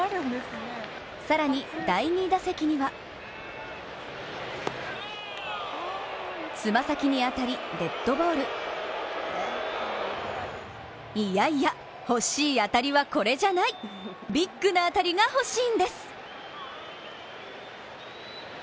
さらに第２打席にはつま先に当たり、デッドボールいやいや、欲しい当たりはこれじゃないビッグな当たりが欲しいんです。